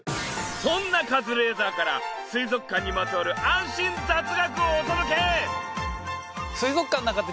そんなカズレーザーから水族館にまつわる安心雑学をお届け！